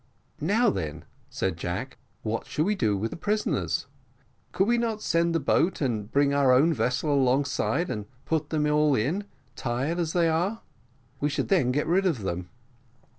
"Now then," said Jack, "what shall we do with the prisoners? could we not send the boat and bring our own vessel alongside, and put them all in, tied as they are? We should then get rid of them."